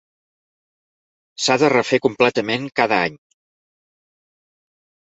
S'ha de refer completament cada any.